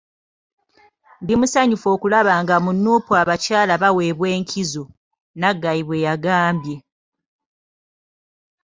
"Ndi musanyufu okulaba nga mu Nuupu abakyala baweebwa enkizo," Naggayi bw'agambye.